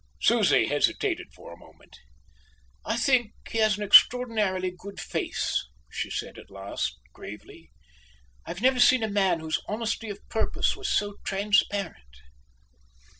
Susie hesitated for a moment. "I think he has an extraordinarily good face," she said at last gravely. "I've never seen a man whose honesty of purpose was so transparent."